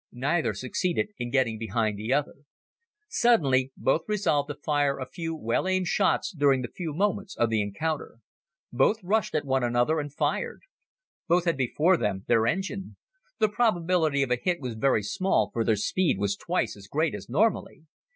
Neither succeeded in getting behind the other. Suddenly both resolved to fire a few well aimed shots during the few moments of the encounter. Both rushed at one another, and fired. Both had before them their engine. The probability of a hit was very small for their speed was twice as great as normally.